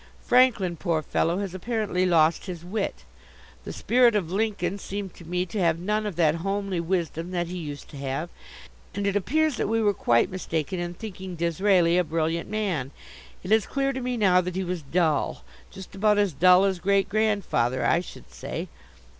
Franklin, poor fellow, has apparently lost his wit. The spirit of Lincoln seemed to me to have none of that homely wisdom that he used to have. And it appears that we were quite mistaken in thinking Disraeli a brilliant man; it is clear to me now that he was dull just about as dull as Great grandfather, I should say.